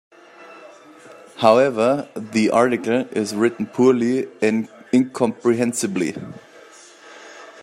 However, the article is written poorly and incomprehensibly.